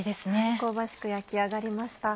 香ばしく焼き上がりました。